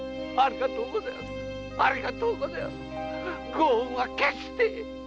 ご恩は決して！